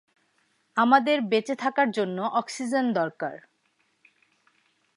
আমাদের বেঁচে থাকার জন্য অক্সিজেন দরকার।